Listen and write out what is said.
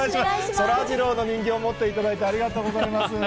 そらジローの人形持っていただいて、ありがとうございます。